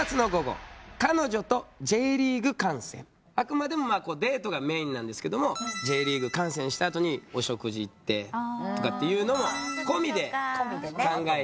あくまでもデートがメインなんですけどもＪリーグ観戦したあとにお食事行ってとかっていうのも込みで考えて頂いた。